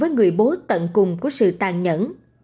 với người bố tận cùng của sự tàn nhẫn